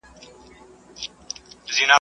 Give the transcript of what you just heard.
چي خپل دي راسي په وطن کي دي ښارونه سوځي.